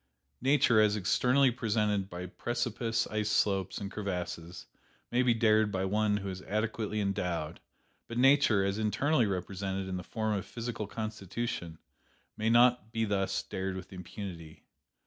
Nature as externally presented by precipice ice slopes and crevasses may be dared by one who is adequately endowed; but Nature, as internally represented in the form of physical constitution, may not be thus dared with impunity.